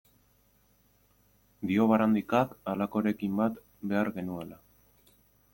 Dio Barandikak, halako eraikin bat behar genuela.